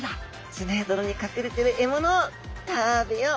砂や泥に隠れてる獲物を食べよう！